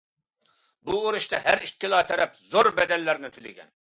بۇ ئۇرۇشتا ھەر ئىككىلا تەرەپ زور بەدەللەرنى تۆلىگەن.